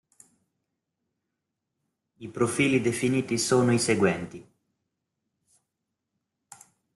I profili definiti sono i seguenti.